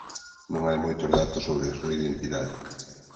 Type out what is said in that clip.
Non hai moitos datos sobre a súa identidade.